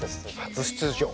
初出場。